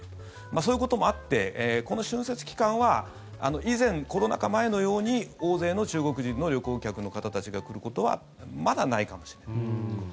そういうこともあってこの春節期間は以前、コロナ禍前のように大勢の中国人の旅行客の方たちが来ることはまだ、ないかもしれない。